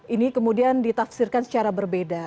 ini kemudian ditafsirkan secara berbeda